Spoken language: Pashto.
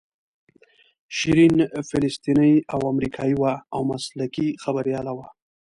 شیرین فلسطینۍ او امریکایۍ وه او مسلکي خبریاله وه.